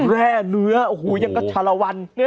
แร่เนื้อโอ้โหยังก็ชรวรรณ